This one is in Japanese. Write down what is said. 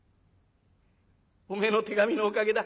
おめえの手紙のおかげだ。